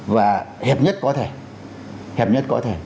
và hiệp nhất có thể hiệp nhất có thể